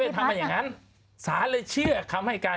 ทำมาอย่างนั้นศาลเลยเชื่อคำให้การ